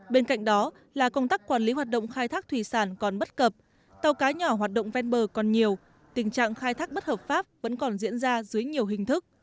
bên cạnh đó là công tác quản lý hoạt động khai thác thủy sản còn bất cập tàu cá nhỏ hoạt động ven bờ còn nhiều tình trạng khai thác bất hợp pháp vẫn còn diễn ra dưới nhiều hình thức